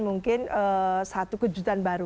mungkin satu kejutan baru